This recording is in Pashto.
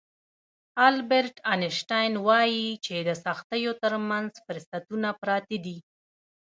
البرټ انشټاين وايي چې د سختیو ترمنځ فرصتونه پراته دي.